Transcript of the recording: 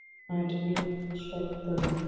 আট মিলিয়ন, সব তোমার।